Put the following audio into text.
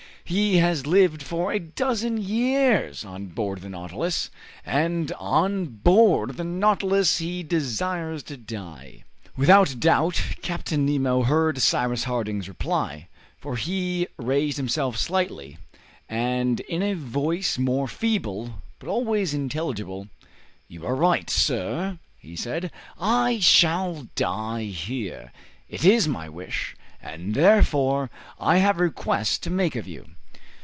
He has lived for a dozen years on board the 'Nautilus,' and on board the 'Nautilus' he desires to die." Without doubt Captain Nemo heard Cyrus Harding's reply, for he raised himself slightly, and in a voice more feeble, but always intelligible, "You are right, sir," he said. "I shall die here it is my wish; and therefore I have a request to make of you."